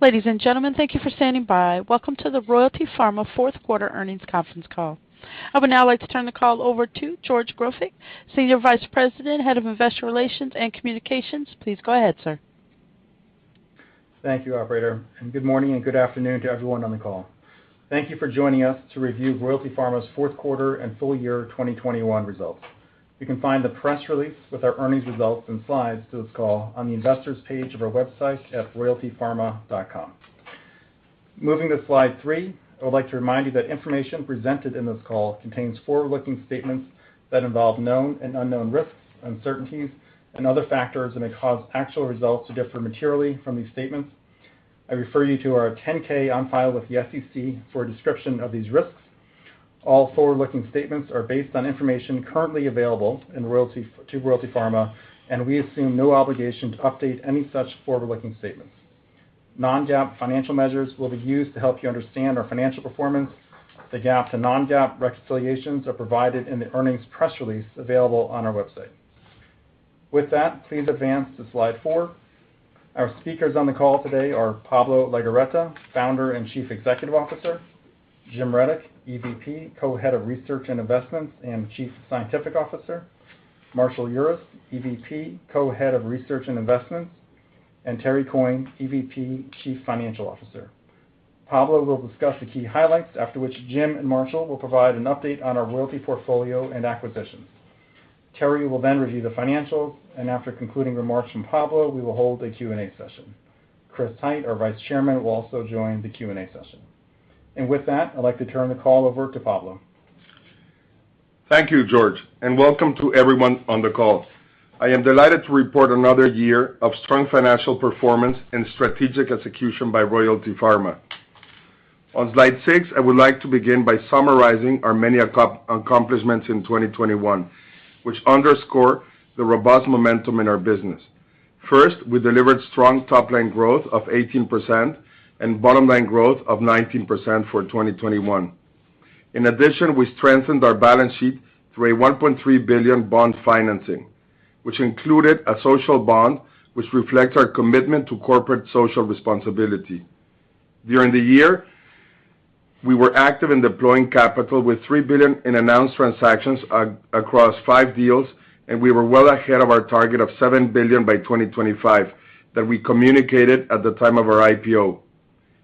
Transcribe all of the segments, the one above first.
Ladies and gentlemen, thank you for standing by. Welcome to the Royalty Pharma fourth quarter earnings conference call. I would now like to turn the call over to George Grofik, Senior Vice President, Head of Investor Relations and Communications. Please go ahead, sir. Thank you, operator, and good morning and good afternoon to everyone on the call. Thank you for joining us to review Royalty Pharma's fourth quarter and full year 2021 results. You can find the press release with our earnings results and slides to this call on the investors page of our website at royaltypharma.com. Moving to slide three, I would like to remind you that information presented in this call contains forward-looking statements that involve known and unknown risks, uncertainties and other factors that may cause actual results to differ materially from these statements. I refer you to our 10-K on file with the SEC for a description of these risks. All forward-looking statements are based on information currently available to Royalty Pharma, and we assume no obligation to update any such forward-looking statements. Non-GAAP financial measures will be used to help you understand our financial performance. The GAAP to non-GAAP reconciliations are provided in the earnings press release available on our website. With that, please advance to slide four. Our speakers on the call today are Pablo Legorreta, Founder and Chief Executive Officer, Jim Reddoch, EVP, Co-Head of Research and Investments and Chief Scientific Officer, Marshall Urist, EVP, Co-Head of Research and Investments, and Terry Coyne, EVP, Chief Financial Officer. Pablo will discuss the key highlights, after which Jim and Marshall will provide an update on our royalty portfolio and acquisitions. Terry will then review the financials, and after concluding remarks from Pablo, we will hold a Q&A session. Chris Hite, our Vice Chairman, will also join the Q&A session. With that, I'd like to turn the call over to Pablo. Thank you, George, and welcome to everyone on the call. I am delighted to report another year of strong financial performance and strategic execution by Royalty Pharma. On slide six, I would like to begin by summarizing our many accomplishments in 2021, which underscore the robust momentum in our business. First, we delivered strong top line growth of 18% and bottom line growth of 19% for 2021. In addition, we strengthened our balance sheet through a $1.3 billion bond financing, which included a social bond which reflects our commitment to corporate social responsibility. During the year, we were active in deploying capital with $3 billion in announced transactions across five deals, and we were well ahead of our target of $7 billion by 2025 that we communicated at the time of our IPO.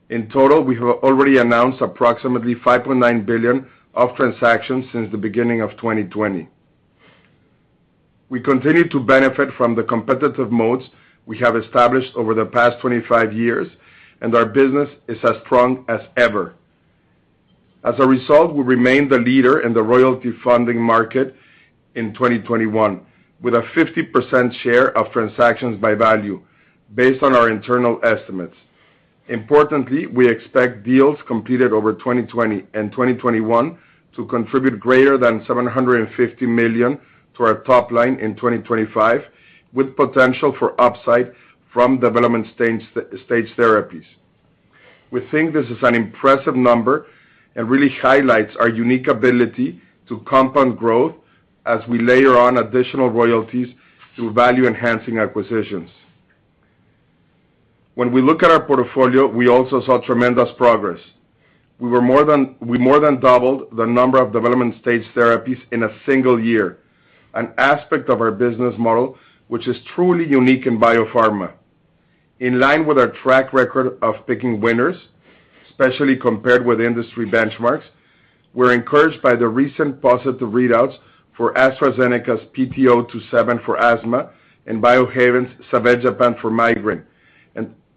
In total, we have already announced approximately $5.9 billion of transactions since the beginning of 2020. We continue to benefit from the competitive moats we have established over the past 25 years, and our business is as strong as ever. As a result, we remained the leader in the royalty funding market in 2021, with a 50% share of transactions by value based on our internal estimates. Importantly, we expect deals completed over 2020 and 2021 to contribute greater than $750 million to our top line in 2025, with potential for upside from development stage therapies. We think this is an impressive number and really highlights our unique ability to compound growth as we layer on additional royalties through value-enhancing acquisitions. When we look at our portfolio, we also saw tremendous progress. We more than doubled the number of development stage therapies in a single year, an aspect of our business model which is truly unique in biopharma. In line with our track record of picking winners, especially compared with industry benchmarks, we're encouraged by the recent positive readouts for AstraZeneca's PT027 for asthma and Biohaven's zavegepant for migraine,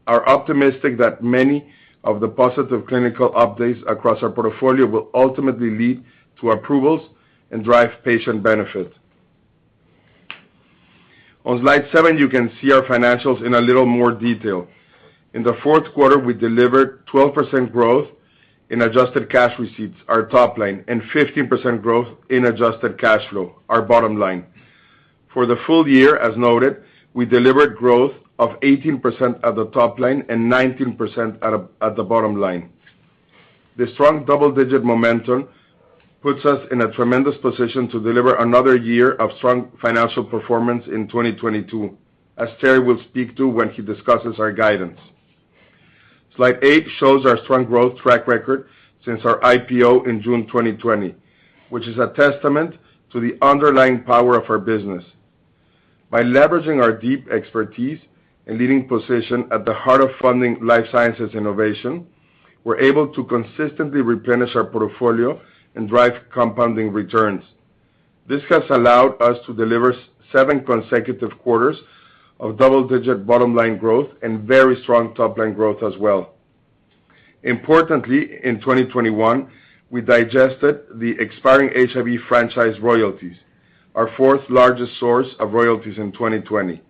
and are optimistic that many of the positive clinical updates across our portfolio will ultimately lead to approvals and drive patient benefit. On slide seven, you can see our financials in a little more detail. In the fourth quarter, we delivered 12% growth in adjusted cash receipts, our top line, and 15% growth in adjusted cash flow, our bottom line. For the full year, as noted, we delivered growth of 18% at the top line and 19% at the bottom line. The strong double-digit momentum puts us in a tremendous position to deliver another year of strong financial performance in 2022, as Terry will speak to when he discusses our guidance. Slide eight shows our strong growth track record since our IPO in June 2020, which is a testament to the underlying power of our business. By leveraging our deep expertise and leading position at the heart of funding life sciences innovation, we're able to consistently replenish our portfolio and drive compounding returns. This has allowed us to deliver seven consecutive quarters of double-digit bottom line growth and very strong top line growth as well. Importantly, in 2021, we digested the expiring HIV franchise royalties, our fourth-largest source of royalties in 2020,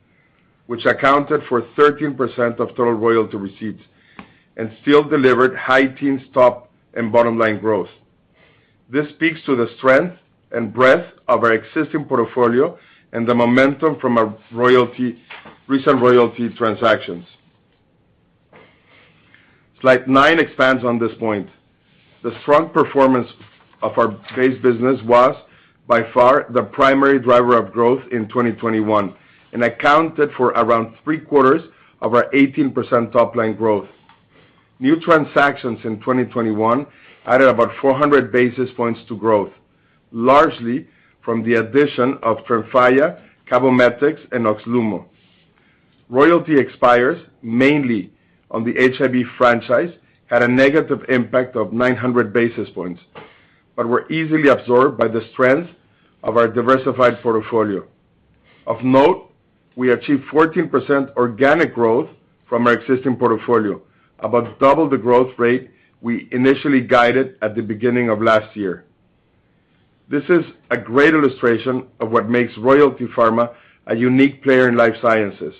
which accounted for 13% of total royalty receipts and still delivered high teens top and bottom line growth. This speaks to the strength and breadth of our existing portfolio and the momentum from our recent royalty transactions. Slide nine expands on this point. The strong performance of our base business was by far the primary driver of growth in 2021 and accounted for around three-quarters of our 18% top line growth. New transactions in 2021 added about 400 basis points to growth, largely from the addition of Tremfya, CABOMETYX, and OXLUMO. Royalties expire mainly on the HIV franchise, had a negative impact of 900 basis points, but were easily absorbed by the strength of our diversified portfolio. Of note, we achieved 14% organic growth from our existing portfolio, about double the growth rate we initially guided at the beginning of last year. This is a great illustration of what makes Royalty Pharma a unique player in life sciences.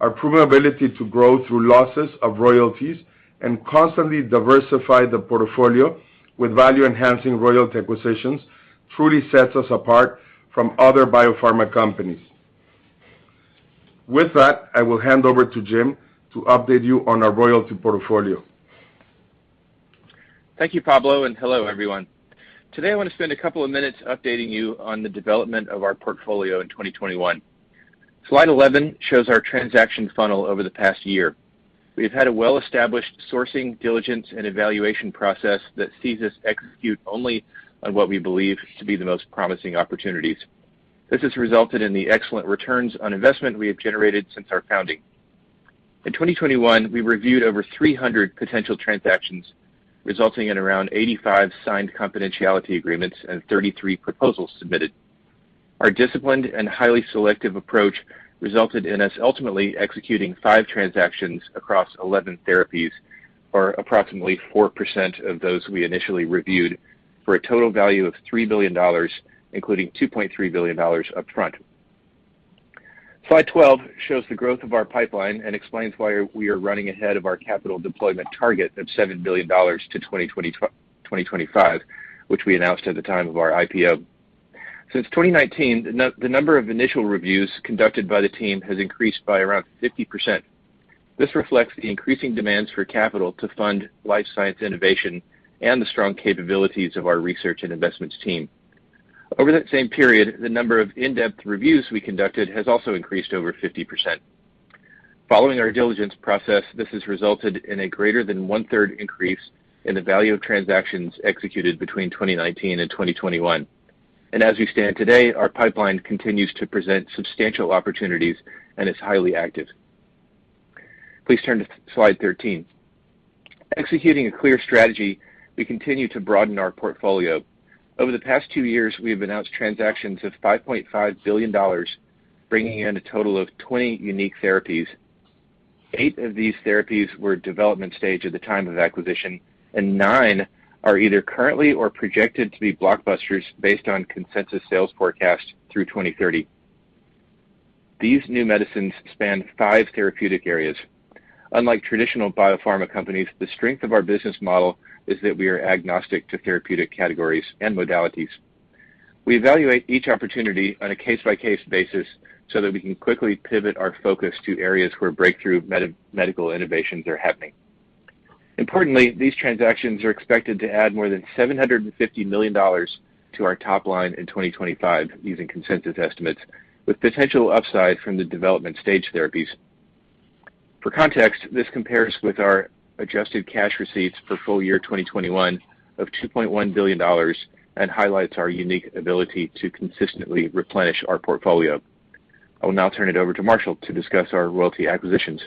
Our proven ability to grow through losses of royalties and constantly diversify the portfolio with value-enhancing royalty acquisitions truly sets us apart from other biopharma companies. With that, I will hand over to Jim to update you on our royalty portfolio. Thank you, Pablo, and hello, everyone. Today, I want to spend a couple of minutes updating you on the development of our portfolio in 2021. Slide 11 shows our transaction funnel over the past year. We've had a well-established sourcing, diligence, and evaluation process that sees us execute only on what we believe to be the most promising opportunities. This has resulted in the excellent returns on investment we have generated since our founding. In 2021, we reviewed over 300 potential transactions, resulting in around 85 signed confidentiality agreements and 33 proposals submitted. Our disciplined and highly selective approach resulted in us ultimately executing five transactions across 11 therapies, or approximately 4% of those we initially reviewed, for a total value of $3 billion, including $2.3 billion upfront. Slide 12 shows the growth of our pipeline and explains why we are running ahead of our capital deployment target of $7 billion to 2025, which we announced at the time of our IPO. Since 2019, the number of initial reviews conducted by the team has increased by around 50%. This reflects the increasing demands for capital to fund life science innovation and the strong capabilities of our research and investments team. Over that same period, the number of in-depth reviews we conducted has also increased over 50%. Following our diligence process, this has resulted in a greater than one-third increase in the value of transactions executed between 2019 and 2021. As we stand today, our pipeline continues to present substantial opportunities and is highly active. Please turn to slide 13. Executing a clear strategy, we continue to broaden our portfolio. Over the past two years, we have announced transactions of $5.5 billion, bringing in a total of 20 unique therapies. Eight of these therapies were development stage at the time of acquisition, and nine are either currently or projected to be blockbusters based on consensus sales forecast through 2030. These new medicines span five therapeutic areas. Unlike traditional biopharma companies, the strength of our business model is that we are agnostic to therapeutic categories and modalities. We evaluate each opportunity on a case-by-case basis so that we can quickly pivot our focus to areas where breakthrough medical innovations are happening. Importantly, these transactions are expected to add more than $750 million to our top line in 2025 using consensus estimates, with potential upside from the development stage therapies. For context, this compares with our Adjusted Cash Receipts for full year 2021 of $2.1 billion and highlights our unique ability to consistently replenish our portfolio. I will now turn it over to Marshall to discuss our royalty acquisitions.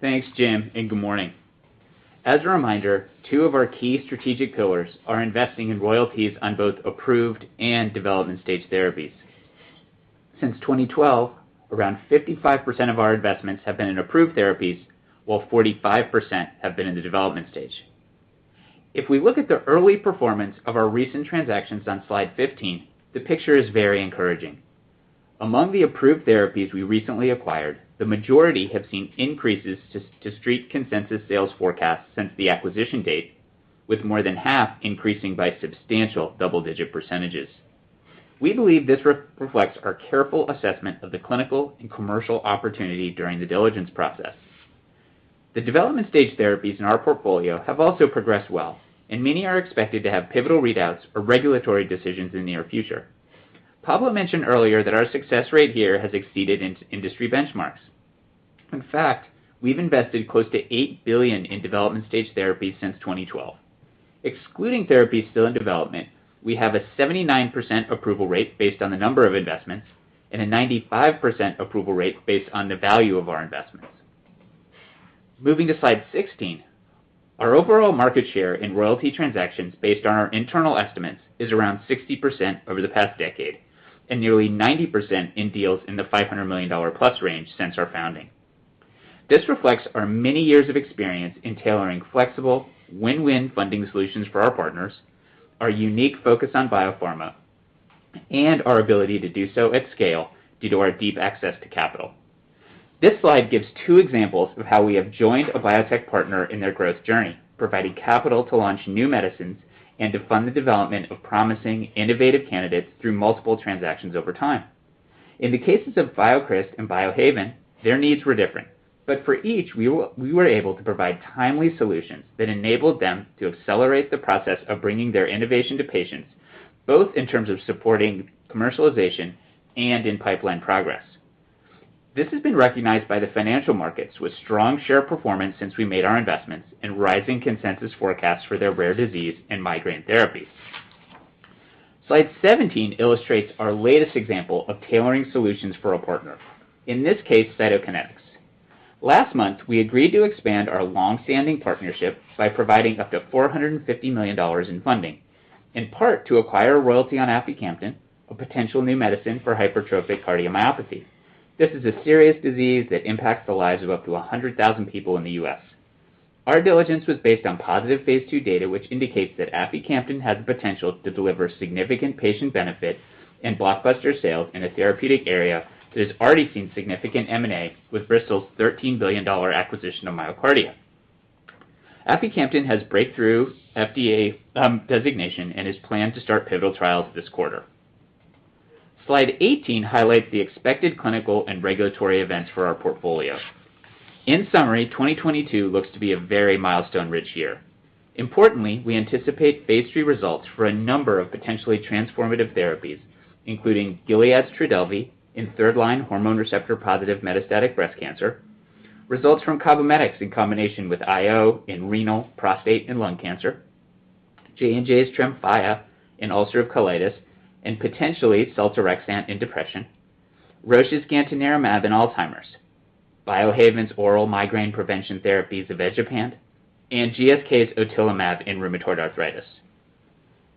Thanks, Jim, and good morning. As a reminder, two of our key strategic pillars are investing in royalties on both approved and development stage therapies. Since 2012, around 55% of our investments have been in approved therapies, while 45% have been in the development stage. If we look at the early performance of our recent transactions on slide 15, the picture is very encouraging. Among the approved therapies we recently acquired, the majority have seen increases to street consensus sales forecasts since the acquisition date, with more than half increasing by substantial double-digit percentages. We believe this reflects our careful assessment of the clinical and commercial opportunity during the diligence process. The development stage therapies in our portfolio have also progressed well, and many are expected to have pivotal readouts or regulatory decisions in the near future. Pablo mentioned earlier that our success rate here has exceeded in-industry benchmarks. In fact, we've invested close to $8 billion in development stage therapies since 2012. Excluding therapies still in development, we have a 79% approval rate based on the number of investments and a 95% approval rate based on the value of our investments. Moving to slide 16, our overall market share in royalty transactions based on our internal estimates is around 60% over the past decade and nearly 90% in deals in the $500 million-plus range since our founding. This reflects our many years of experience in tailoring flexible win-win funding solutions for our partners, our unique focus on biopharma, and our ability to do so at scale due to our deep access to capital. This slide gives two examples of how we have joined a biotech partner in their growth journey, providing capital to launch new medicines and to fund the development of promising innovative candidates through multiple transactions over time. In the cases of BioCryst and Biohaven, their needs were different. For each, we were able to provide timely solutions that enabled them to accelerate the process of bringing their innovation to patients, both in terms of supporting commercialization and in pipeline progress. This has been recognized by the financial markets with strong share performance since we made our investments and rising consensus forecasts for their rare disease and migraine therapies. Slide 17 illustrates our latest example of tailoring solutions for a partner, in this case, Cytokinetics. Last month, we agreed to expand our long-standing partnership by providing up to $450 million in funding, in part to acquire royalty on aficamten, a potential new medicine for hypertrophic cardiomyopathy. This is a serious disease that impacts the lives of up to 100,000 people in the U.S. Our diligence was based on positive phase II data, which indicates that aficamten has the potential to deliver significant patient benefit and blockbuster sales in a therapeutic area that has already seen significant M&A with Bristol's $13 billion acquisition of MyoKardia. Aficamten has breakthrough FDA designation and is planned to start pivotal trials this quarter. Slide 18 highlights the expected clinical and regulatory events for our portfolio. In summary, 2022 looks to be a very milestone-rich year. Importantly, we anticipate phase III results for a number of potentially transformative therapies, including Gilead's Trodelvy in third-line hormone receptor-positive metastatic breast cancer, results from CABOMETYX in combination with IO in renal, prostate, and lung cancer, J&J's Tremfya in ulcerative colitis, and potentially seltorexant in depression, Roche's gantenerumab in Alzheimer's, Biohaven's oral migraine prevention therapy, zavegepant, and GSK's otilimab in rheumatoid arthritis.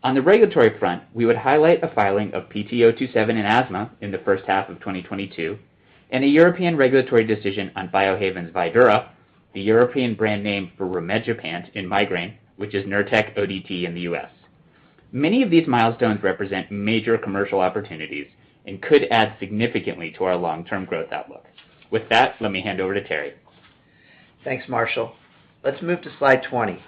On the regulatory front, we would highlight a filing of PT027 in asthma in the first half of 2022, and a European regulatory decision on Biohaven's Vydura, the European brand name for rimegepant in migraine, which is Nurtec ODT in the U.S. Many of these milestones represent major commercial opportunities and could add significantly to our long-term growth outlook. With that, let me hand over to Terry. Thanks, Marshall. Let's move to slide 20.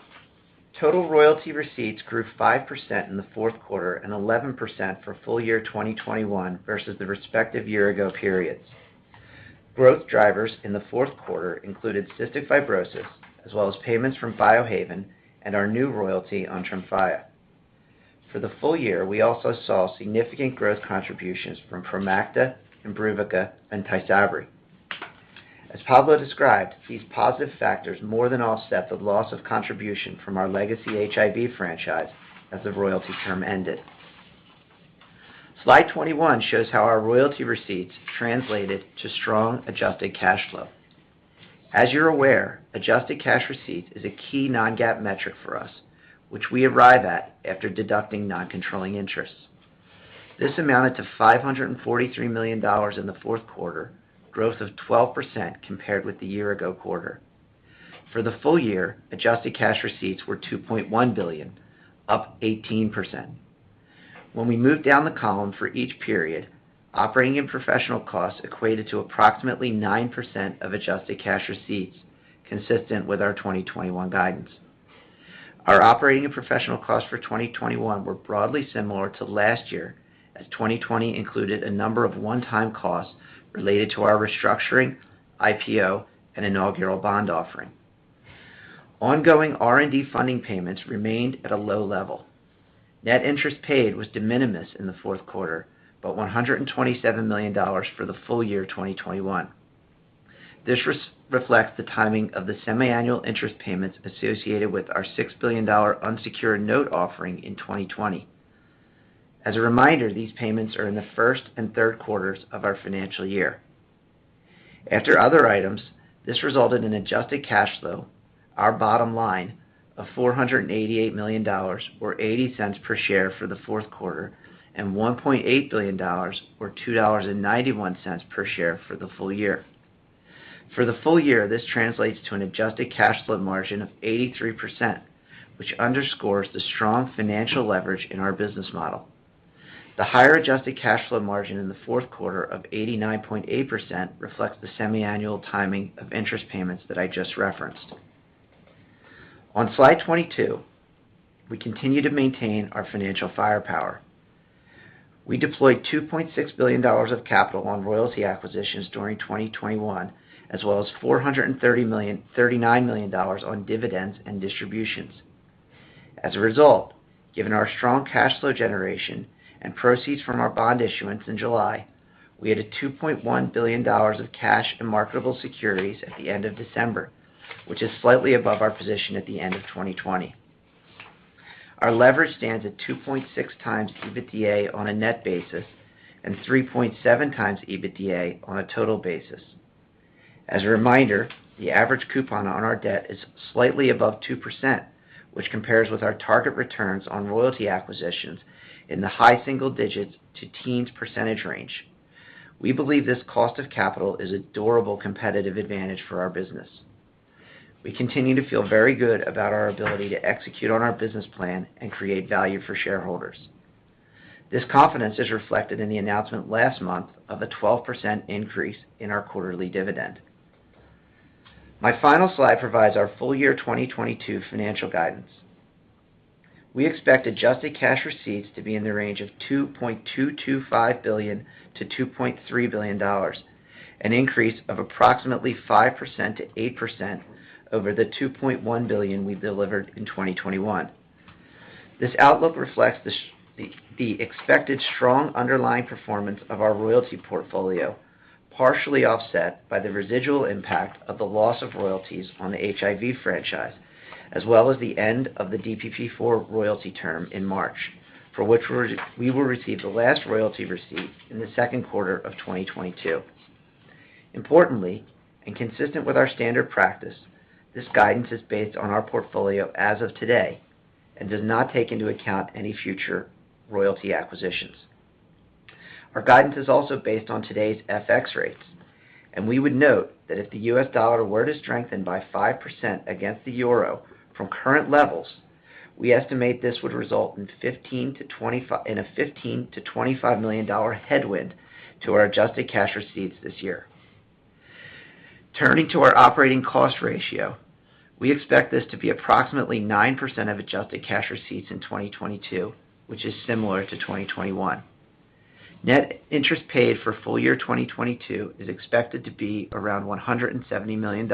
Total royalty receipts grew 5% in the fourth quarter and 11% for full year 2021 versus the respective year-ago periods. Growth drivers in the fourth quarter included cystic fibrosis, as well as payments from Biohaven and our new royalty on Tremfya. For the full year, we also saw significant growth contributions from Promacta, Imbruvica, and Tysabri. As Pablo described, these positive factors more than offset the loss of contribution from our legacy HIV franchise as the royalty term ended. Slide 21 shows how our royalty receipts translated to strong adjusted cash flow. As you're aware, adjusted cash receipt is a key non-GAAP metric for us, which we arrive at after deducting non-controlling interests. This amounted to $543 million in the fourth quarter, growth of 12% compared with the year-ago quarter. For the full year, adjusted cash receipts were $2.1 billion, up 18%. When we move down the column for each period, operating and professional costs equated to approximately 9% of adjusted cash receipts, consistent with our 2021 guidance. Our operating and professional costs for 2021 were broadly similar to last year, as 2020 included a number of one-time costs related to our restructuring, IPO, and inaugural bond offering. Ongoing R&D funding payments remained at a low level. Net interest paid was de minimis in the fourth quarter, but $127 million for the full year 2021. This reflects the timing of the semiannual interest payments associated with our $6 billion unsecured note offering in 2020. As a reminder, these payments are in the first and third quarters of our financial year. After other items, this resulted in Adjusted Cash Flow, our bottom line of $488 million or $0.80 per share for the fourth quarter and $1.8 billion or $2.91 per share for the full year. For the full year, this translates to an Adjusted Cash Flow margin of 83%, which underscores the strong financial leverage in our business model. The higher Adjusted Cash Flow margin in the fourth quarter of 89.8% reflects the semiannual timing of interest payments that I just referenced. On slide 22, we continue to maintain our financial firepower. We deployed $2.6 billion of capital on royalty acquisitions during 2021, as well as $439 million on dividends and distributions. As a result, given our strong cash flow generation and proceeds from our bond issuance in July, we had $2.1 billion of cash and marketable securities at the end of December, which is slightly above our position at the end of 2020. Our leverage stands at 2.6x EBITDA on a net basis and 3.7x EBITDA on a total basis. As a reminder, the average coupon on our debt is slightly above 2%, which compares with our target returns on royalty acquisitions in the high single digits to teens % range. We believe this cost of capital is a durable competitive advantage for our business. We continue to feel very good about our ability to execute on our business plan and create value for shareholders. This confidence is reflected in the announcement last month of a 12% increase in our quarterly dividend. My final slide provides our full year 2022 financial guidance. We expect Adjusted Cash Receipts to be in the range of $2.225 billion-$2.3 billion, an increase of approximately 5%-8% over the $2.1 billion we delivered in 2021. This outlook reflects the expected strong underlying performance of our royalty portfolio, partially offset by the residual impact of the loss of royalties on the HIV franchise, as well as the end of the DPP-4 royalty term in March, for which we will receive the last royalty receipt in the second quarter of 2022. Importantly, consistent with our standard practice, this guidance is based on our portfolio as of today and does not take into account any future royalty acquisitions. Our guidance is also based on today's FX rates, and we would note that if the US dollar were to strengthen by 5% against the euro from current levels, we estimate this would result in a $15 million-$25 million headwind to our adjusted cash receipts this year. Turning to our operating cost ratio, we expect this to be approximately 9% of adjusted cash receipts in 2022, which is similar to 2021. Net interest paid for full year 2022 is expected to be around $170 million,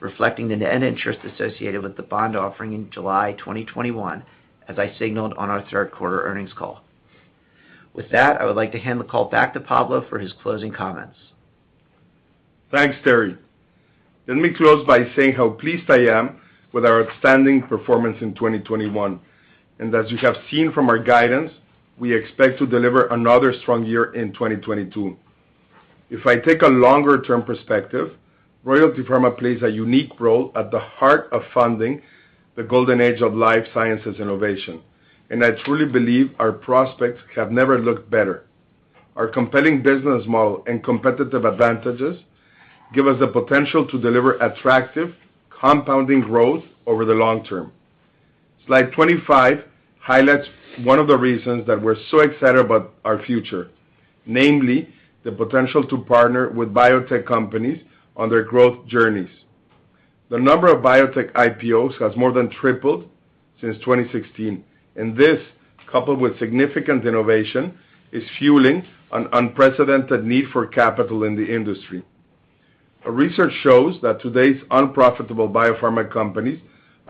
reflecting the net interest associated with the bond offering in July 2021, as I signaled on our third quarter earnings call. With that, I would like to hand the call back to Pablo for his closing comments. Thanks, Terry. Let me close by saying how pleased I am with our outstanding performance in 2021. As you have seen from our guidance, we expect to deliver another strong year in 2022. If I take a longer-term perspective, Royalty Pharma plays a unique role at the heart of funding the golden age of life sciences innovation, and I truly believe our prospects have never looked better. Our compelling business model and competitive advantages give us the potential to deliver attractive compounding growth over the long term. Slide 25 highlights one of the reasons that we're so excited about our future, namely the potential to partner with biotech companies on their growth journeys. The number of biotech IPOs has more than tripled since 2016, and this, coupled with significant innovation, is fueling an unprecedented need for capital in the industry. A research shows that today's unprofitable biopharma companies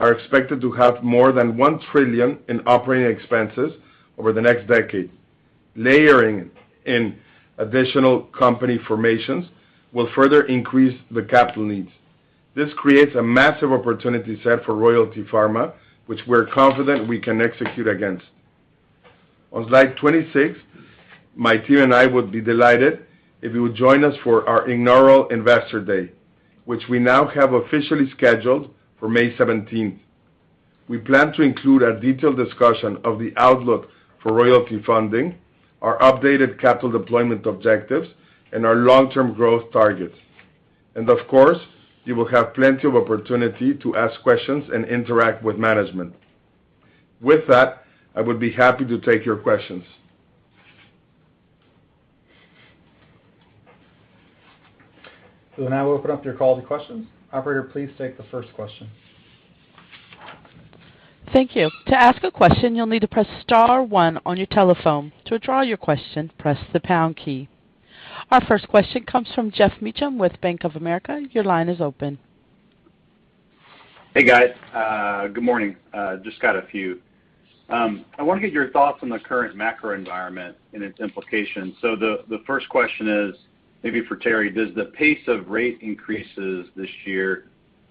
are expected to have more than $1 trillion in operating expenses over the next decade. Layering in additional company formations will further increase the capital needs. This creates a massive opportunity set for Royalty Pharma, which we're confident we can execute against. On slide 26, my team and I would be delighted if you would join us for our inaugural Investor Day, which we now have officially scheduled for May 17. We plan to include a detailed discussion of the outlook for royalty funding, our updated capital deployment objectives, and our long-term growth targets. Of course, you will have plenty of opportunity to ask questions and interact with management. With that, I would be happy to take your questions. We'll now open up your call to questions. Operator, please take the first question. Thank you. To ask a question, you'll need to press star one on your telephone. To withdraw your question, press the pound key. Our first question comes from Geoff Meacham with Bank of America. Your line is open. Hey, guys. Good morning. Just got a few. I want to get your thoughts on the current macro environment and its implications. The first question is maybe for Terry. Does the pace of rate increases this year,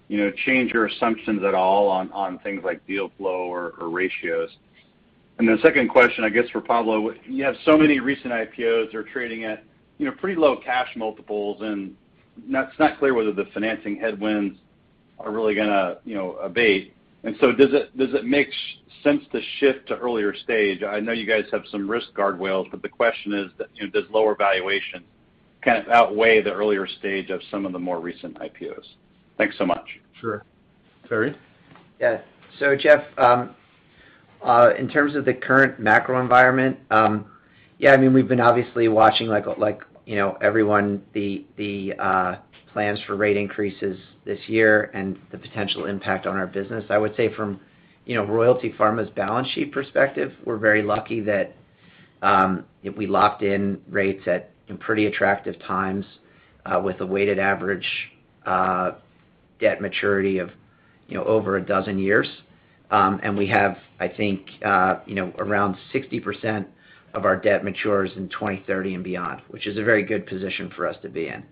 you know, change your assumptions at all on things like deal flow or ratios? The second question, I guess, for Pablo, you have so many recent IPOs are trading at, you know, pretty low cash multiples, and that's not clear whether the financing headwinds are really gonna, you know, abate. Does it make sense to shift to earlier stage? I know you guys have some risk guardrails, but the question is, you know, does lower valuation kind of outweigh the earlier stage of some of the more recent IPOs? Thanks so much. Sure. Terry? Yeah. Geoff, in terms of the current macro environment, yeah, I mean, we've been obviously watching like, you know, everyone, the plans for rate increases this year and the potential impact on our business. I would say from, you know, Royalty Pharma's balance sheet perspective, we're very lucky that we locked in rates at pretty attractive times with a weighted average debt maturity of, you know, over a dozen years. We have, I think, you know, around 60% of our debt matures in 2030 and beyond, which is a very good position for us to be in.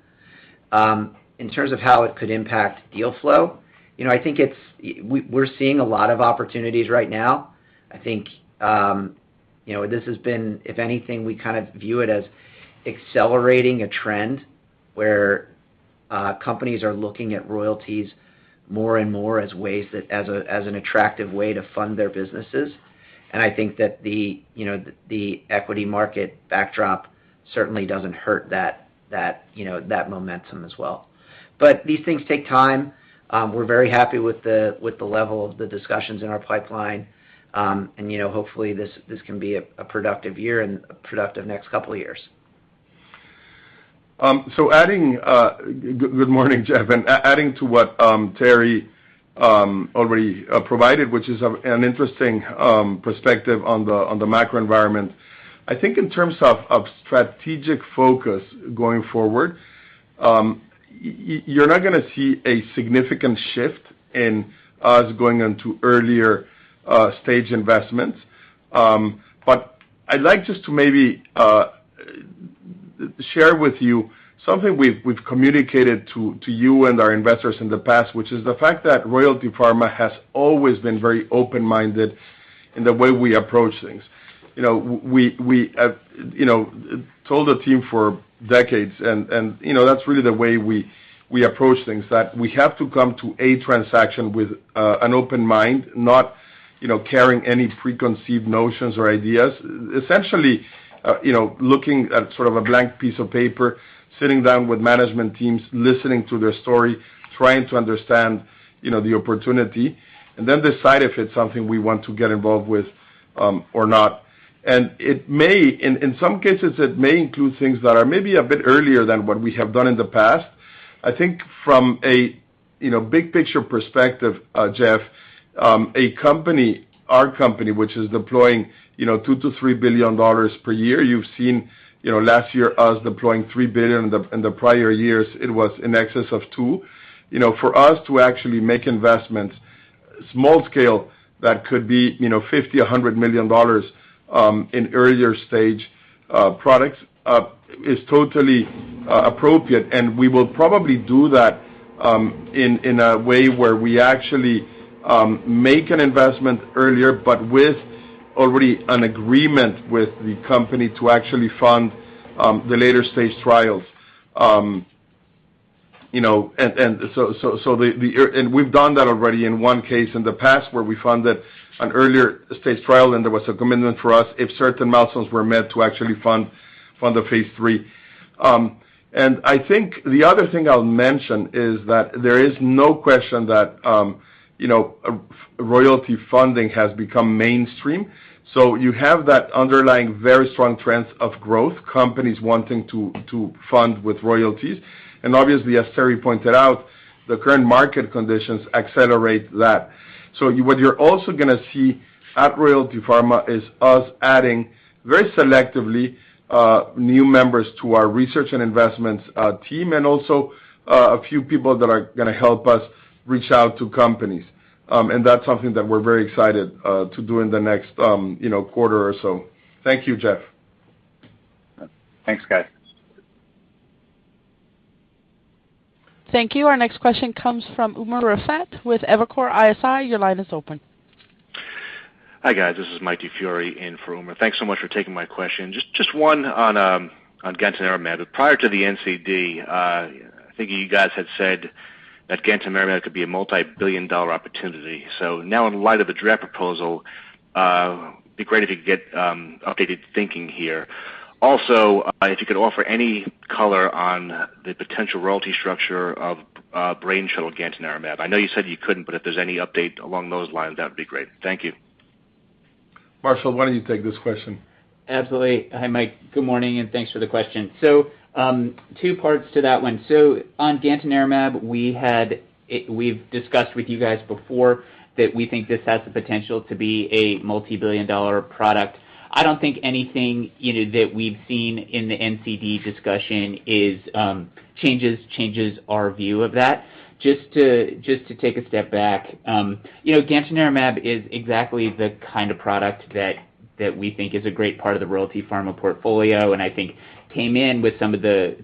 In terms of how it could impact deal flow, you know, I think it's. We're seeing a lot of opportunities right now. I think, you know, this has been, if anything, we kind of view it as accelerating a trend where companies are looking at royalties more and more as an attractive way to fund their businesses. I think that the, you know, the equity market backdrop certainly doesn't hurt that, you know, that momentum as well. These things take time. We're very happy with the level of the discussions in our pipeline, and, you know, hopefully this can be a productive year and a productive next couple of years. Good morning, Jeff. Adding to what Terry already provided, which is an interesting perspective on the macro environment. I think in terms of strategic focus going forward, you're not gonna see a significant shift in us going into earlier stage investments. I'd like just to maybe share with you something we've communicated to you and our investors in the past, which is the fact that Royalty Pharma has always been very open-minded in the way we approach things. You know, we have told the team for decades, and you know, that's really the way we approach things, that we have to come to a transaction with an open mind, not you know, carrying any preconceived notions or ideas. Essentially, you know, looking at sort of a blank piece of paper, sitting down with management teams, listening to their story, trying to understand, you know, the opportunity, and then decide if it's something we want to get involved with, or not. It may in some cases include things that are maybe a bit earlier than what we have done in the past. I think from a you know big picture perspective, Geoff, a company, our company, which is deploying, you know, $2 billion-$3 billion per year, you've seen, you know, last year us deploying $3 billion. In the prior years it was in excess of $2 billion. You know, for us to actually make investments, small scale, that could be, you know, $50 million, $100 million, in earlier stage products, is totally appropriate. We will probably do that in a way where we actually make an investment earlier, but with already an agreement with the company to actually fund the later stage trials. You know, we've done that already in one case in the past where we funded an earlier stage trial, and there was a commitment for us if certain milestones were met to actually fund the phase III. I think the other thing I'll mention is that there is no question that, you know, royalty funding has become mainstream, so you have that underlying very strong trends of growth, companies wanting to fund with royalties. Obviously, as Terry pointed out, the current market conditions accelerate that. What you're also gonna see at Royalty Pharma is us adding very selectively new members to our research and investments team, and also a few people that are gonna help us reach out to companies. That's something that we're very excited to do in the next you know quarter or so. Thank you, Jeff. Thanks, guys. Thank you. Our next question comes from Umer Raffat with Evercore ISI. Your line is open. Hi, guys. This is Mike DiFiore in for Umer. Thanks so much for taking my question. Just one on gantenerumab. Prior to the NCD, I think you guys had said that gantenerumab could be a multi-billion dollar opportunity. Now in light of the draft proposal, it'd be great if you could give updated thinking here. Also, if you could offer any color on the potential royalty structure of Brainshuttle gantenerumab. I know you said you couldn't, but if there's any update along those lines, that would be great. Thank you. Marshall, why don't you take this question? Absolutely. Hi, Mike. Good morning, and thanks for the question. Two parts to that one. On gantenerumab, we've discussed with you guys before that we think this has the potential to be a multi-billion dollar product. I don't think anything, you know, that we've seen in the NCD discussion changes our view of that. Just to take a step back, you know, gantenerumab is exactly the kind of product that we think is a great part of the Royalty Pharma portfolio, and I think came in with some of the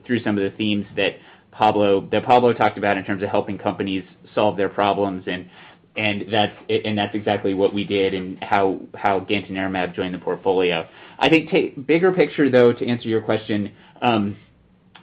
themes that Pablo talked about in terms of helping companies solve their problems, and that's exactly what we did and how gantenerumab joined the portfolio. I think bigger picture though, to answer your question,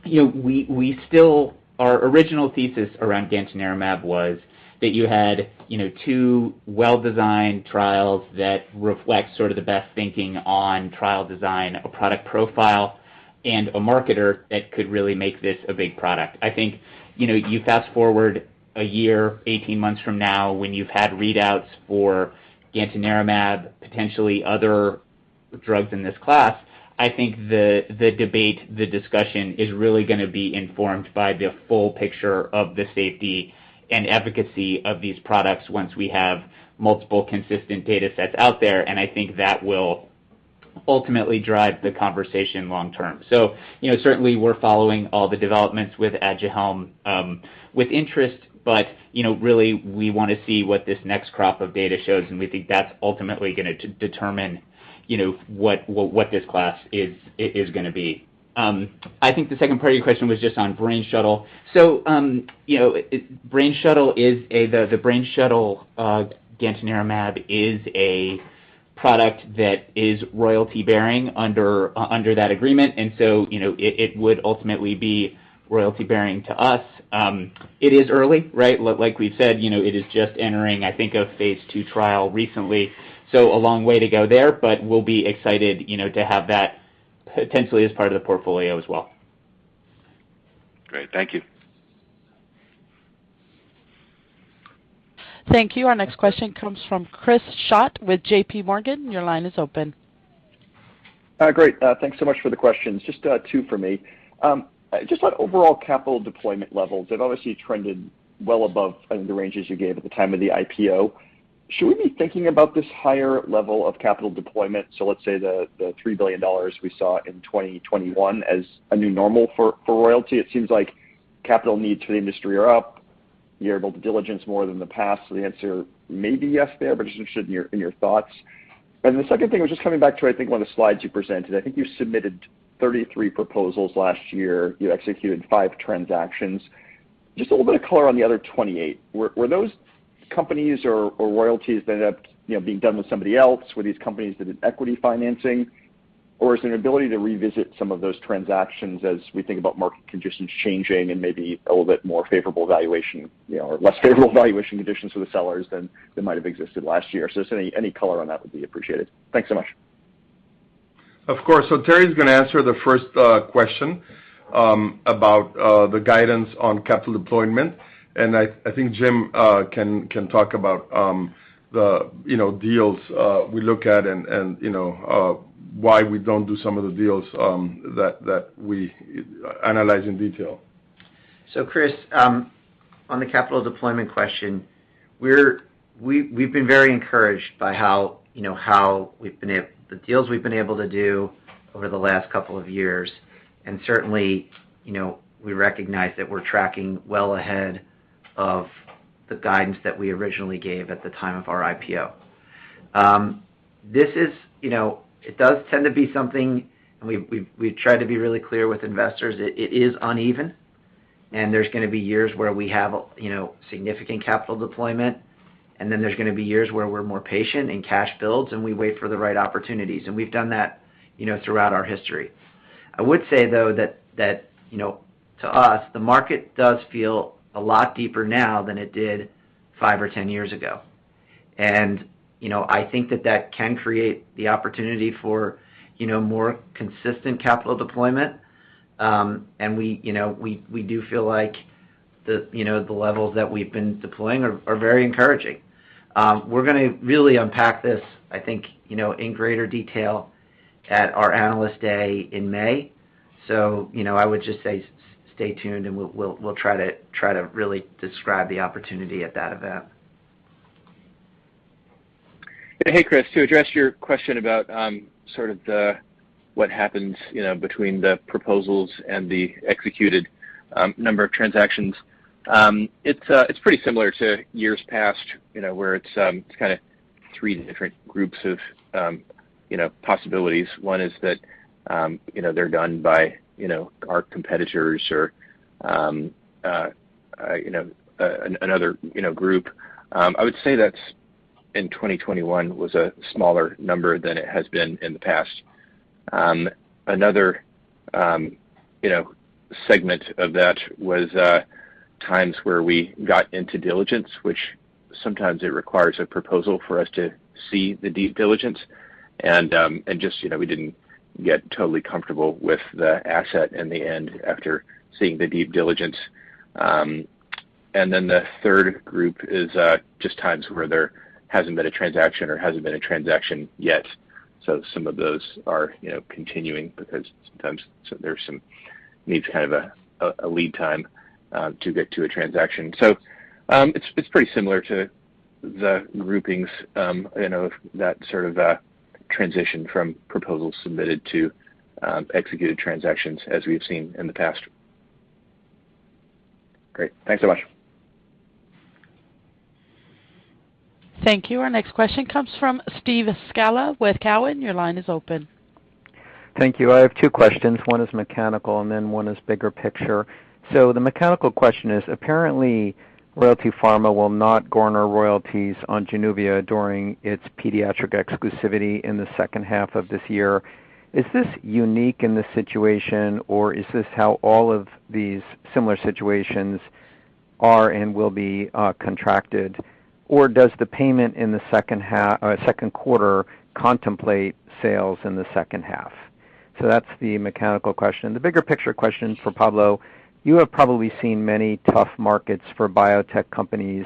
you know, we still our original thesis around gantenerumab was that you had, you know, two well-designed trials that reflect sort of the best thinking on trial design, a product profile, and a marketer that could really make this a big product. I think, you know, you fast-forward a year, 18 months from now, when you've had readouts for gantenerumab, potentially other drugs in this class, I think the debate, the discussion is really gonna be informed by the full picture of the safety and efficacy of these products once we have multiple consistent data sets out there, and I think that will ultimately drive the conversation long term. You know, certainly we're following all the developments with Alzheimer's with interest, but you know, really we wanna see what this next crop of data shows, and we think that's ultimately gonna determine, you know, what this class is gonna be. I think the second part of your question was just on Brainshuttle. You know, Brainshuttle gantenerumab is a product that is royalty-bearing under that agreement. You know, it would ultimately be royalty-bearing to us. It is early, right? Like we've said, you know, it is just entering, I think, a phase II trial recently, so a long way to go there, but we'll be excited, you know, to have that potentially as part of the portfolio as well. Great. Thank you. Thank you. Our next question comes from Chris Schott with JPMorgan. Your line is open. Great. Thanks so much for the questions. Just two for me. Just on overall capital deployment levels, they've obviously trended well above the ranges you gave at the time of the IPO. Should we be thinking about this higher level of capital deployment, so let's say the $3 billion we saw in 2021 as a new normal for Royalty? It seems like capital needs for the industry are up. You're able to diligence more than the past, so the answer may be yes there, but just interested in your thoughts. The second thing was just coming back to, I think, one of the slides you presented. I think you submitted 33 proposals last year. You executed five transactions. Just a little bit of color on the other 28. Were those companies or royalties that ended up, you know, being done with somebody else? Were these companies that did equity financing? Or is there an ability to revisit some of those transactions as we think about market conditions changing and maybe a little bit more favorable valuation, you know, or less favorable valuation conditions for the sellers than they might have existed last year. Just any color on that would be appreciated. Thanks so much. Of course. Terry's gonna answer the first question about the guidance on capital deployment. I think Jim can talk about the deals we look at and you know why we don't do some of the deals that we analyze in detail. Chris, on the capital deployment question, we've been very encouraged by how, you know, the deals we've been able to do over the last couple of years. Certainly, you know, we recognize that we're tracking well ahead of the guidance that we originally gave at the time of our IPO. This is, you know, it does tend to be something, and we've tried to be really clear with investors, it is uneven, and there's gonna be years where we have, you know, significant capital deployment, and then there's gonna be years where we're more patient and cash builds, and we wait for the right opportunities. We've done that, you know, throughout our history. I would say, though, that, you know, to us, the market does feel a lot deeper now than it did five or 10 years ago. You know, I think that can create the opportunity for, you know, more consistent capital deployment. We, you know, do feel like the, you know, the levels that we've been deploying are very encouraging. We're gonna really unpack this, I think, you know, in greater detail at our Analyst Day in May. You know, I would just say stay tuned, and we'll try to really describe the opportunity at that event. Hey, Chris, to address your question about sort of the what happens, you know, between the proposals and the executed number of transactions. It's pretty similar to years past, you know, where it's kinda three different groups of, you know, possibilities. One is that, you know, they're done by, you know, our competitors or, you know, another, you know, group. I would say that's, in 2021, was a smaller number than it has been in the past. Another, you know, segment of that was times where we got into diligence, which sometimes it requires a proposal for us to see the deep diligence. Just, you know, we didn't get totally comfortable with the asset in the end after seeing the deep diligence. The third group is just times where there hasn't been a transaction yet. Some of those are, you know, continuing because sometimes there's some needs kind of a lead time to get to a transaction. It's pretty similar to the groupings, you know, that sort of transition from proposals submitted to executed transactions as we've seen in the past. Great. Thanks so much. Thank you. Our next question comes from Steve Scala with Cowen. Your line is open. Thank you. I have two questions. One is mechanical, and then one is bigger picture. The mechanical question is, apparently, Royalty Pharma will not garner royalties on Januvia during its pediatric exclusivity in the second half of this year. Is this unique in this situation, or is this how all of these similar situations are and will be contracted? Or does the payment in the second quarter contemplate sales in the second half? That's the mechanical question. The bigger picture question is for Pablo. You have probably seen many tough markets for biotech companies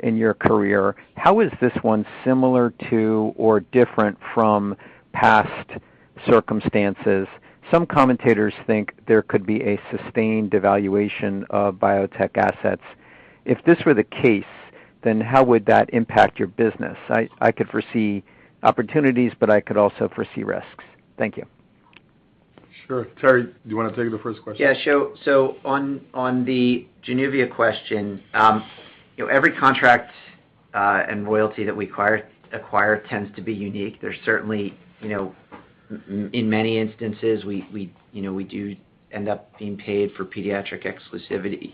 in your career. How is this one similar to or different from past circumstances? Some commentators think there could be a sustained devaluation of biotech assets. If this were the case, then how would that impact your business? I could foresee opportunities, but I could also foresee risks. Thank you. Sure. Terry, do you wanna take the first question? Yeah. On the Januvia question, you know, every contract and royalty that we acquire tends to be unique. There's certainly, you know, in many instances, we you know, we do end up being paid for pediatric exclusivity.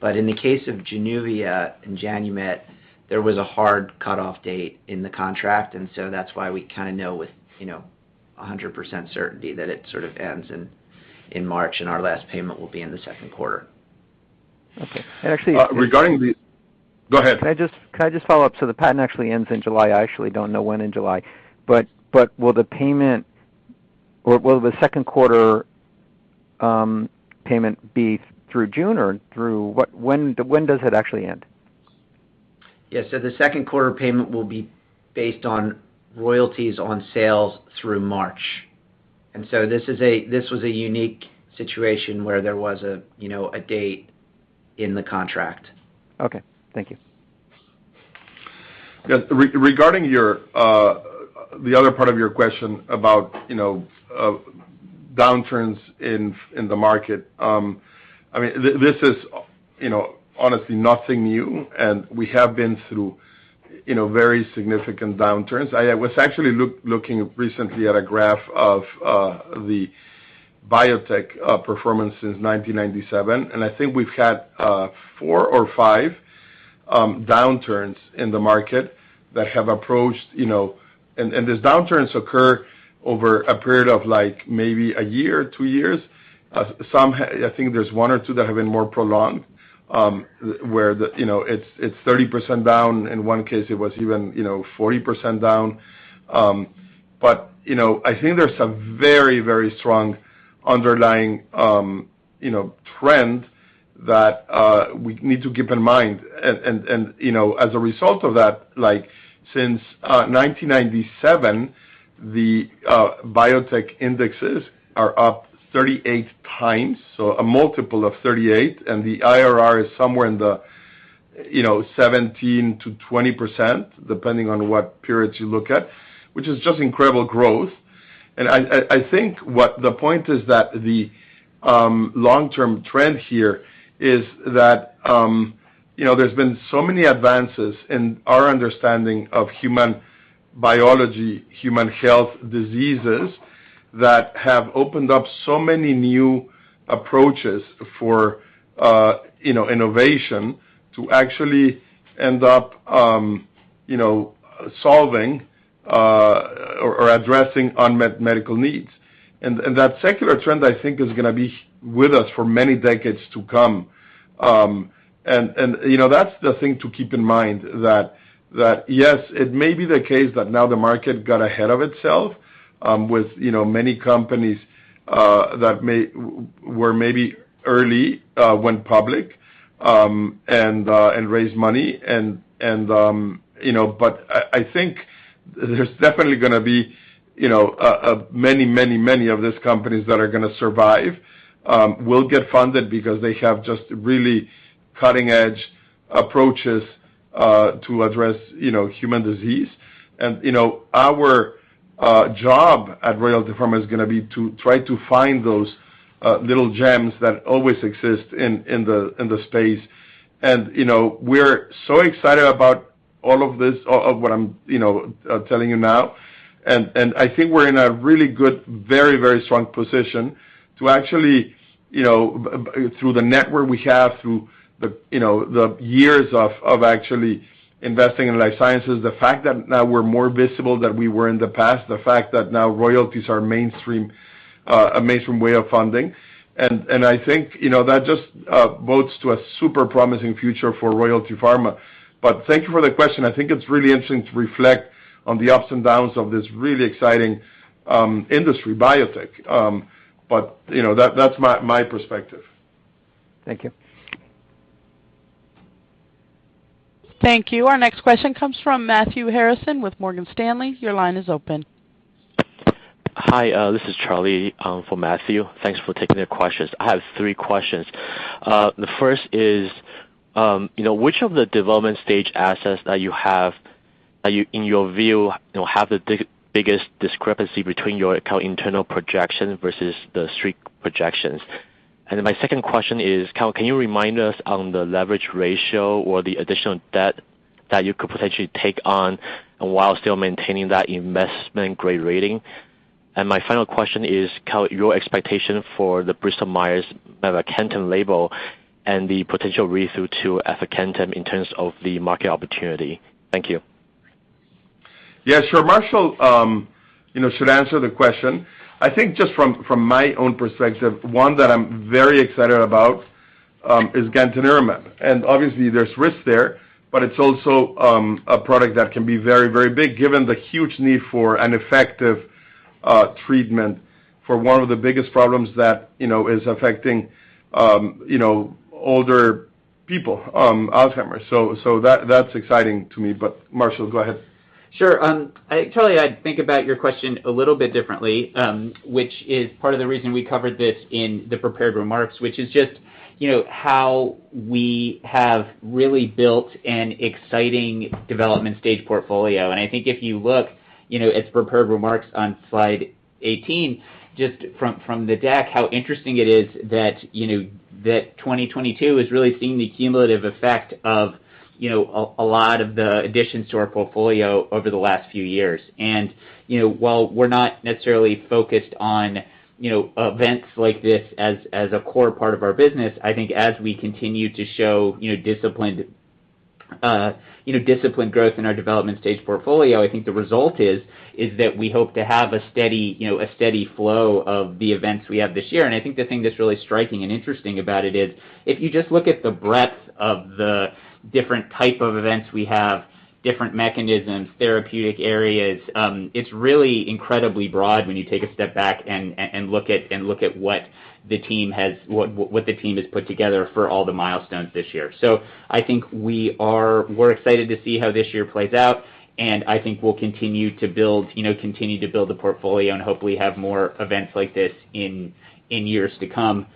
But in the case of Januvia and Janumet, there was a hard cutoff date in the contract, and so that's why we kinda know with, you know, 100% certainty that it sort of ends in March, and our last payment will be in the second quarter. Okay. Actually. Go ahead. Can I just follow up? The patent actually ends in July. I actually don't know when in July. Will the payment or will the second quarter payment be through June or through. When does it actually end? Yes. The second quarter payment will be based on royalties on sales through March. This was a unique situation where there was a, you know, a date in the contract. Okay, thank you. Yes. Regarding the other part of your question about, you know, downturns in the market. I mean, this is, you know, honestly nothing new, and we have been through, you know, very significant downturns. I was actually looking recently at a graph of the biotech performance since 1997, and I think we've had four or five downturns in the market that have approached, you know. These downturns occur over a period of like maybe a year, two years. I think there's one or two that have been more prolonged, where, you know, it's 30% down. In one case, it was even, you know, 40% down. But, you know, I think there's some very, very strong underlying, you know, trend that we need to keep in mind. You know, as a result of that, like since 1997, the biotech indexes are up 38 times, so a multiple of 38, and the IRR is somewhere in the, you know, 17%-20%, depending on what periods you look at, which is just incredible growth. I think what the point is that the long-term trend here is that, you know, there's been so many advances in our understanding of human biology, human health diseases that have opened up so many new approaches for, you know, innovation to actually end up, you know, solving or addressing unmet medical needs. That secular trend, I think, is gonna be with us for many decades to come. You know, that's the thing to keep in mind that yes, it may be the case that now the market got ahead of itself with you know, many companies that were maybe early went public and you know, but I think there's definitely gonna be you know, many of these companies that are gonna survive will get funded because they have just really cutting-edge approaches to address you know, human disease. You know, our job at Royalty Pharma is gonna be to try to find those little gems that always exist in the space. You know, we're so excited about all of this, all of what I'm you know, telling you now. I think we're in a really good, very strong position to actually, you know, through the network we have, through, you know, the years of actually investing in life sciences, the fact that now we're more visible than we were in the past, the fact that now royalties are mainstream, a mainstream way of funding. I think, you know, that just bodes to a super promising future for Royalty Pharma. Thank you for the question. I think it's really interesting to reflect on the ups and downs of this really exciting industry, biotech. You know, that's my perspective. Thank you. Thank you. Our next question comes from Matthew Harrison with Morgan Stanley. Your line is open. This is Charlie for Matthew. Thanks for taking the questions. I have three questions. The first is, you know, which of the development stage assets that you have in your view, you know, have the biggest discrepancy between our internal projections versus the street projections? My second question is, kind of, can you remind us on the leverage ratio or the additional debt that you could potentially take on while still maintaining that investment grade rating? My final question is, kind of, your expectation for the Bristol Myers' mavacamten label and the potential read-through to aficamten in terms of the market opportunity. Thank you. Yeah. Sure. Marshall, you know, should answer the question. I think just from my own perspective, one that I'm very excited about is gantenerumab. Obviously, there's risk there, but it's also a product that can be very, very big, given the huge need for an effective treatment for one of the biggest problems that, you know, is affecting you know older people, Alzheimer's. That's exciting to me. Marshall, go ahead. Sure. Charlie, I think about your question a little bit differently, which is part of the reason we covered this in the prepared remarks, which is just, you know, how we have really built an exciting development stage portfolio. I think if you look, you know, at the prepared remarks on slide 18, just from the deck, how interesting it is that, you know, that 2022 is really seeing the cumulative effect of, you know, a lot of the additions to our portfolio over the last few years. While we're not necessarily focused on you know, events like this as a core part of our business, I think as we continue to show you know, disciplined growth in our development stage portfolio, I think the result is that we hope to have a steady you know, steady flow of the events we have this year. I think the thing that's really striking and interesting about it is, if you just look at the breadth of the different type of events we have. Different mechanisms, therapeutic areas. It's really incredibly broad when you take a step back and look at what the team has put together for all the milestones this year. I think we are excited to see how this year plays out, and I think we'll continue to build, you know, continue to build the portfolio and hopefully have more events like this in years to come.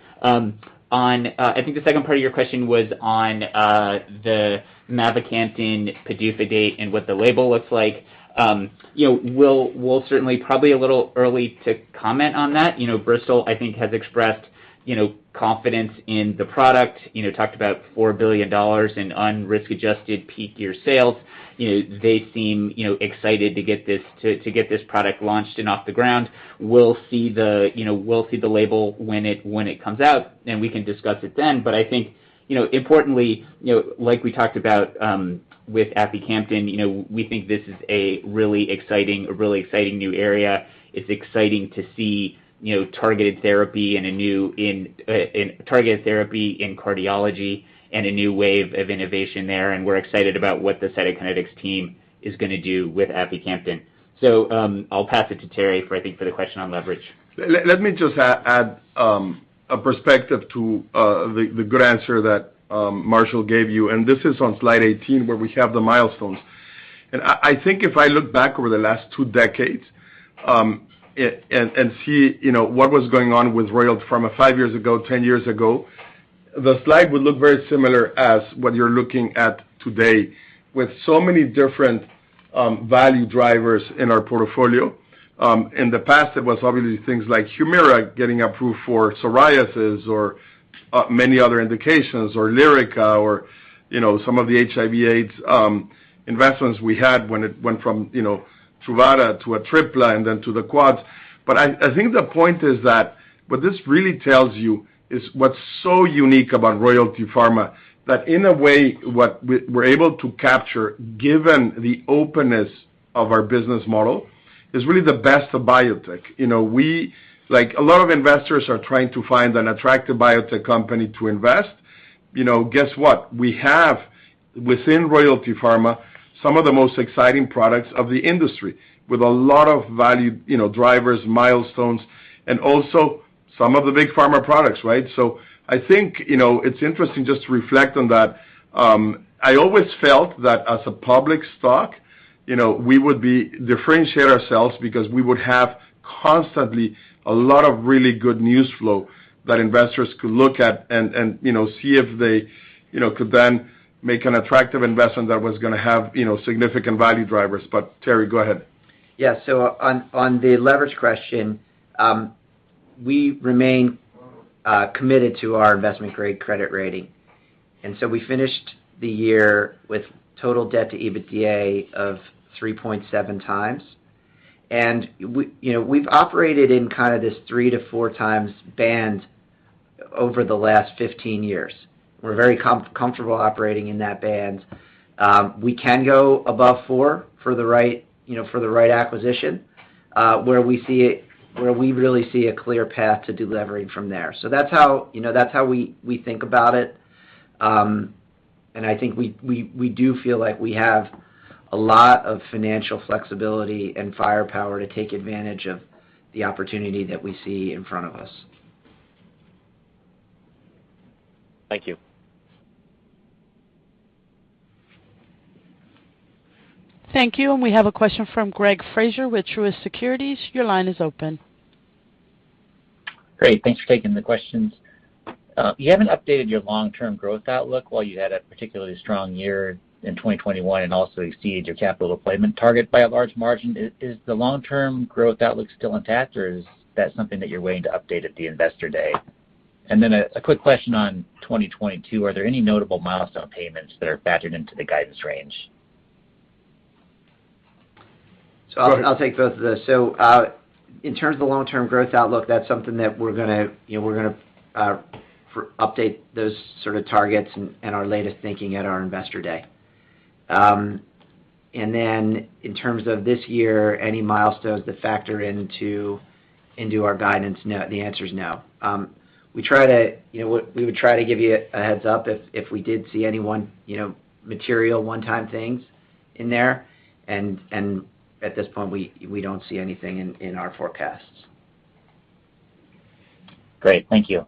I think the second part of your question was on the mavacamten PDUFA date and what the label looks like. You know, we'll certainly probably a little early to comment on that. You know, Bristol, I think, has expressed, you know, confidence in the product, you know, talked about $4 billion in unrisk-adjusted peak year sales. You know, they seem, you know, excited to get this product launched and off the ground. We'll see the label when it comes out, and we can discuss it then. I think, you know, importantly, you know, like we talked about, with aficamten, you know, we think this is a really exciting new area. It's exciting to see, you know, targeted therapy and a new targeted therapy in cardiology and a new wave of innovation there, and we're excited about what the Cytokinetics team is gonna do with aficamten. I'll pass it to Terry for the question on leverage. Let me just add a perspective to the good answer that Marshall gave you, and this is on slide 18 where we have the milestones. I think if I look back over the last two decades and see, you know, what was going on with Royalty Pharma five years ago, 10 years ago, the slide would look very similar as what you're looking at today with so many different value drivers in our portfolio. In the past, it was obviously things like Humira getting approved for psoriasis or many other indications, or Lyrica or, you know, some of the HIV/AIDS investments we had when it went from, you know, Truvada to Atripla and then to the Quads. I think the point is that what this really tells you is what's so unique about Royalty Pharma, that in a way, what we're able to capture, given the openness of our business model, is really the best of biotech. You know, we like, a lot of investors are trying to find an attractive biotech company to invest. You know, guess what? We have within Royalty Pharma some of the most exciting products of the industry with a lot of value, you know, drivers, milestones, and also some of the big pharma products, right? So I think, you know, it's interesting just to reflect on that. I always felt that as a public stock, you know, we would differentiate ourselves because we would have constantly a lot of really good news flow that investors could look at and, you know, see if they, you know, could then make an attractive investment that was gonna have, you know, significant value drivers. Terry, go ahead. Yeah. On the leverage question, we remain committed to our investment-grade credit rating. We finished the year with total debt to EBITDA of 3.7 times. We, you know, we've operated in kind of this three - four times band over the last 15 years. We're very comfortable operating in that band. We can go above four for the right, you know, for the right acquisition, where we really see a clear path to delevering from there. That's how, you know, that's how we think about it. I think we do feel like we have a lot of financial flexibility and firepower to take advantage of the opportunity that we see in front of us. Thank you. Thank you. We have a question from Gregory Fraser with Truist Securities. Your line is open. Great. Thanks for taking the questions. You haven't updated your long-term growth outlook while you had a particularly strong year in 2021 and also exceeded your capital deployment target by a large margin. Is the long-term growth outlook still intact, or is that something that you're waiting to update at the Investor Day? A quick question on 2022. Are there any notable milestone payments that are factored into the guidance range? I'll take both of those. In terms of the long-term growth outlook, that's something that we're gonna update those sort of targets and our latest thinking at our Investor Day. In terms of this year, any milestones that factor into our guidance, the answer is no. We would try to give you a heads up if we did see any one material one-time things in there. At this point, we don't see anything in our forecasts. Great. Thank you.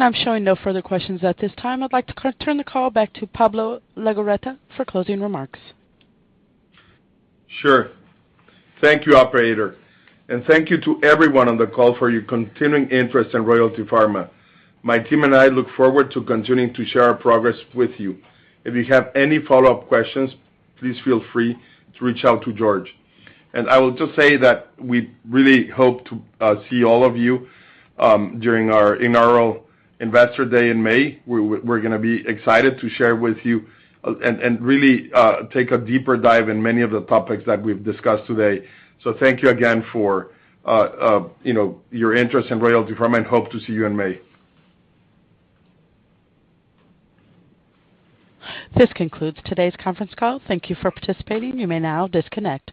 I'm showing no further questions at this time. I'd like to turn the call back to Pablo Legorreta for closing remarks. Sure. Thank you, operator, and thank you to everyone on the call for your continuing interest in Royalty Pharma. My team and I look forward to continuing to share our progress with you. If you have any follow-up questions, please feel free to reach out to George. I will just say that we really hope to see all of you during our Investor Day in May. We're gonna be excited to share with you and really take a deeper dive in many of the topics that we've discussed today. Thank you again for, you know, your interest in Royalty Pharma, and hope to see you in May. This concludes today's conference call. Thank you for participating. You may now disconnect.